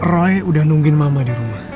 ray udah nungguin mama di rumah